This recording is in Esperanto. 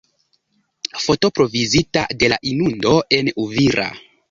Foto provizita de La inundo en Uvira.